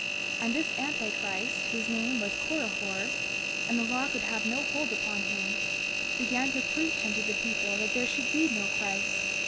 30:12 And this Anti Christ, whose name was Korihor, (and the law could have no hold upon him) began to preach unto the people that there should be no Christ.